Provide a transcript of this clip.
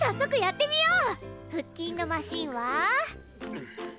腹筋のマシンは。